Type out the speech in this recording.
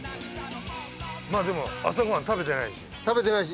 まあでも朝ご飯食べてないし。